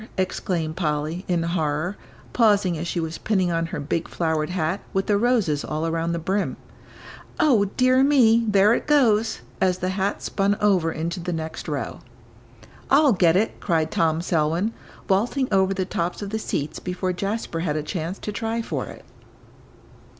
exclaimed Polly, in horror, pausing as she was pinning on her big, flowered hat, with the roses all around the brim; "O dear me, there it goes!" as the hat spun over into the next row. "I'll get it," cried Tom Selwyn, vaulting over the tops of the seats before Jasper had a chance to try for it.